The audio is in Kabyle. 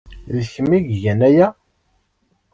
D kemm ay igan aya!